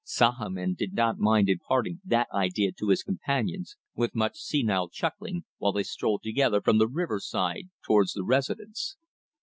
Sahamin did not mind imparting that idea to his companions, with much senile chuckling, while they strolled together from the riverside towards the residence.